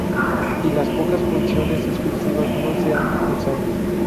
Y las pocas funciones exclusivas no se han usado.